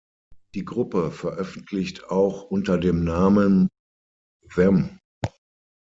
Die Gruppe veröffentlicht auch unter dem Namen Them.